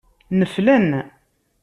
Neflen.